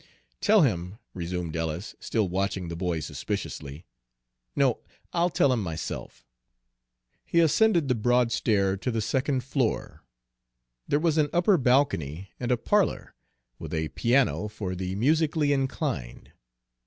"Tell him," resumed Ellis, still watching the boy suspiciously, "no, I'll tell him myself." He ascended the broad stair to the second floor. There was an upper balcony and a parlor, with a piano for the musically inclined.